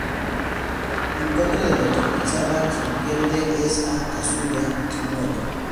En contra de lo que pensaba, quien pierde es a "Kazuya", que muere.